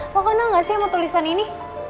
lo kenal gak sih sama tulisan ini